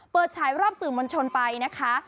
เปิดฉายรอบสื่อมนต์ชนไปนะคะ